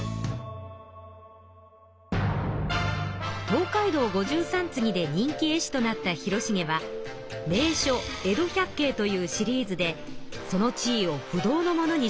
「東海道五十三次」で人気絵師となった広重は「名所江戸百景」というシリーズでその地位を不動のものにします。